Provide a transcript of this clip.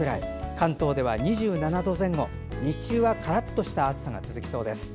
関東では２７度前後日中はカラッとした暑さが続きそうです。